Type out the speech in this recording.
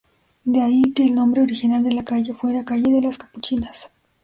De ahí que el nombre original de la calle fuera "Calle de las Capuchinas".